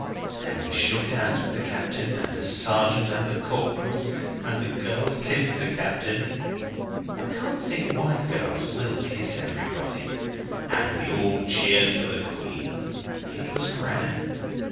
Then we shook hands with the captain, and the sergeant and the corporals, and the girls kissed the captain I can't think why girls will kiss everybody and we all cheered for the Queen. It was grand.